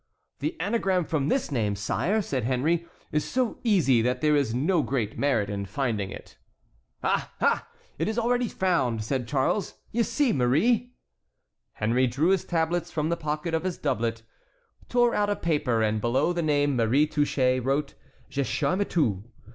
the anagram from this name, sire," said Henry, "is so easy that there is no great merit in finding it." "Ah! ah! it is already found," said Charles. "You see—Marie." Henry drew his tablets from the pocket of his doublet, tore out a paper, and below the name Marie Touchet wrote Je charme tout.